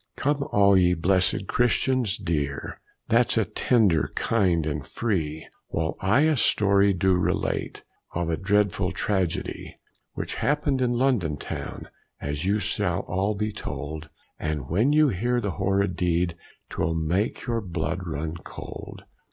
Come all you blessed Christians dear, That's a tender, kind, and free, While I a story do relate Of a dreadful tragedy, Which happened in London town, As you shall all be told; But when you hear the horrid deed 'Twill make your blood run cold.